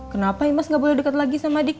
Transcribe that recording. kenapa imas nggak boleh dekat lagi sama dik